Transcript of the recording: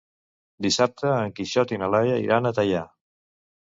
Dissabte en Quixot i na Laia iran a Teià.